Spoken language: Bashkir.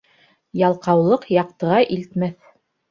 Ялҡаулыҡ яҡтыға илтмәҫ.